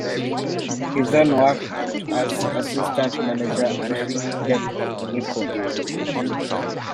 He then worked as assistant manager at Delco.